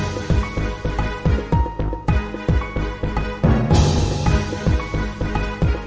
ติดตามต่อไป